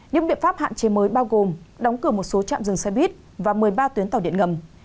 những biện pháp hạn chế mới bao gồm đóng cửa một số trạm dừng xe buýt và một mươi ba tuyến tàu điện ngầm